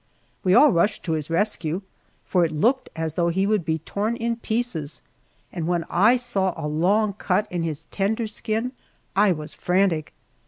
We all rushed to his rescue, for it looked as though he would be torn in pieces, and when I saw a long cut in his tender skin I was frantic.